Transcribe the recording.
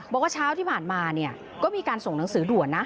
บอกว่าเช้าที่ผ่านมาเนี่ยก็มีการส่งหนังสือด่วนนะ